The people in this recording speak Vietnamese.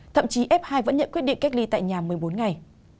thậm chí f hai vẫn nhận quyết định cách ly tại nhà một mươi bốn ngày